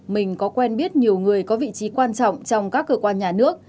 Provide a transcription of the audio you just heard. mình có quen biết nhiều người có vị trí quan trọng trong các cơ quan nhà nước